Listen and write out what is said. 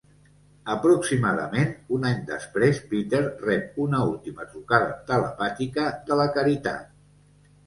Aproximadament un any després, Peter rep una última trucada telepàtica de la caritat.